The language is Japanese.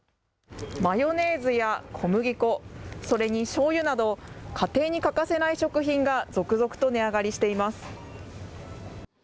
マヨネーズや小麦粉、それにしょうゆなど、家庭に欠かせない食品が続々と値上がりしています。